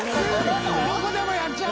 どこでもやっちゃう。